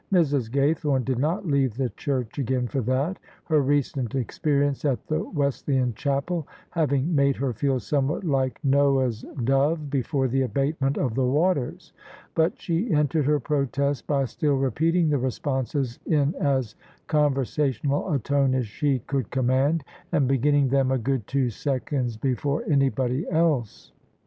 Mrs. Gaythorne did not leave the church again for that, her recent experience at the Wesleyan chapel having made her feel somewhat like Noah's dove before the abatement of the waters: but she entered her protest by still repeating the responses in as conversational a tone as she could command, and begin ning them a good two seconds before anybody else.